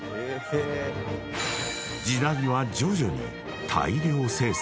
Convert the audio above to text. ［時代は徐々に］